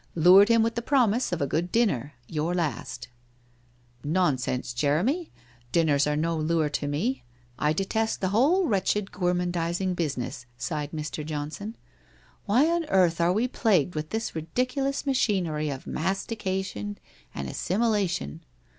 ' Lured him with the promise of a good din ner — your last/ ' Nonsense, Jeremy. Dinners are no lure to me. I detest the whole wretched gormandizing business/ sighed Mr. Johnson. ' Why on earth are we plagued with this ridiculous machinery of mastication and assimilation?